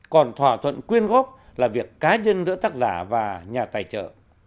còn thỏa thuận quyên góp là việc cá nhân giữa tác giả và nhà tài trợ